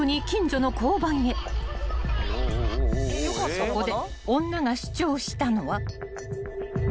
［そこで］